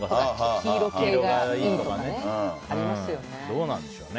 黄色系がいいとかねありますよね。